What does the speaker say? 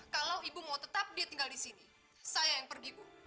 kalau ibu mau tetap dia tinggal di sini saya yang pergi ibu